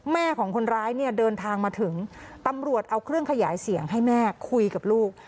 แม่ของคนร้ายเนี่ยเดินทางมาถึงตำรวจเอาเครื่องขยายเสียงให้แม่คุยกับลูก